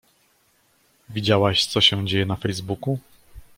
Widziałaś, co się dzieje na Facebooku?